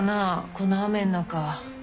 この雨ん中。